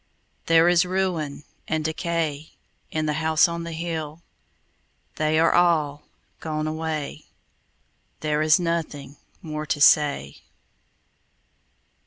There is ruin and decay In the House on the Hill They are all gone away, There is nothing more to say.